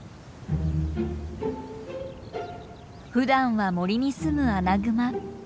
ふだんは森にすむアナグマ。